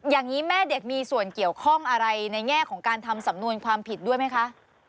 อย่างนี้แม่เด็กมีส่วนเกี่ยวข้องอะไรในแง่ของการทำสำนวนความผิดด้วยไหมคะ